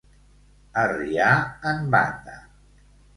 Arriar en banda.